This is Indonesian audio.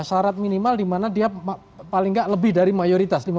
syarat minimal dimana dia paling nggak lebih dari mayoritas